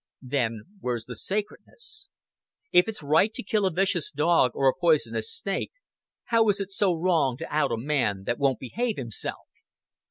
Then where's the sacredness? If it's right to kill a vicious dog or a poisonous snake, how is it so wrong to out a man that won't behave himself?"